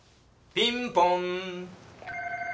ピンポーン。